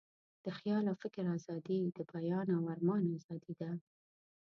د خیال او فکر آزادي، د بیان او آرمان آزادي ده.